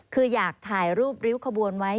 คืออยากถ่ายรูปริ้วขบวนไว้